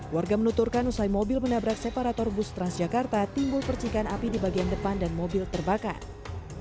warga menuturkan usai mobil menabrak separator bus transjakarta timbul percikan api di bagian depan dan mobil terbakar